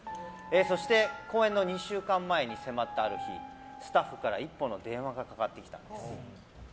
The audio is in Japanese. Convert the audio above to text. そして公演の２週間前に迫ったある日スタッフから一本の電話がかかってきたんです。